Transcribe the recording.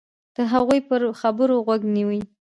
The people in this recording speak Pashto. د هغوی پر خبرو غوږ نیوی.